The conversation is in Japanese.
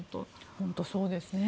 本当そうですね。